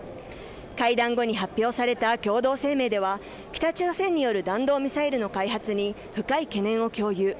会談後に発表された共同声明では北朝鮮よる弾道ミサイルの開発に深い懸念を共有。